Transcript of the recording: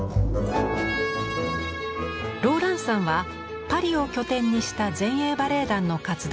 ローランサンはパリを拠点にした前衛バレエ団の活動に参加。